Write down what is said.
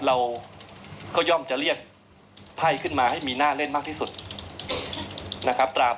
เราก็ย่อมจะเรียกไพ่ขึ้นมาให้มีหน้าเล่นมากที่สุดนะครับ